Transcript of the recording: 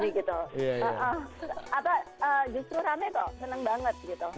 bisa jadi pembelajaran yang baik lah untuk masyarakat atau warga kita gitu ya